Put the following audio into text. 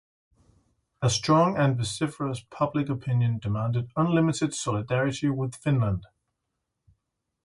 A strong and vociferous public opinion demanded unlimited solidarity with Finland.